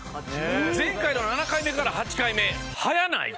前回の７回目から８回目早ない？